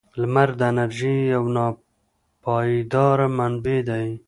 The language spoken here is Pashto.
• لمر د انرژۍ یو ناپایدار منبع دی.